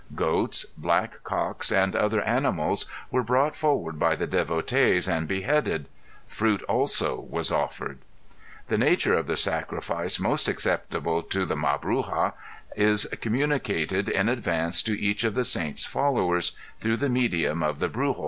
Goats, black cocks and other animals were brought forward by the devotees and beheaded. Fruit also was offered. The nature of the sacrifice most acceptable to the Mabruja is communicated in advance to each of the Saint's followers, through the medium of the Brujo.